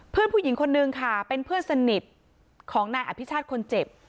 เพื่อนผู้หญิงคนนึงค่ะเป็นเพื่อนสนิทของนายอภิชาติคนเจ็บ